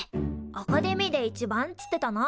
「アカデミーで一番」つってたな。